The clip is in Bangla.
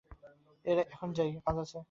এখন যাই, কাজ আছে।